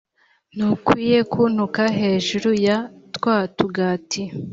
ntukwiye kuntuka hejuru ya twa tugati.